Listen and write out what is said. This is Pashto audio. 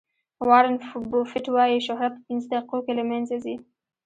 وارن بوفیټ وایي شهرت په پنځه دقیقو کې له منځه ځي.